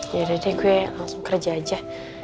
yaudah deh gue langsung kerja aja